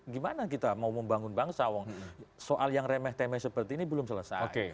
gimana kita mau membangun bangsa wong soal yang remeh temeh seperti ini belum selesai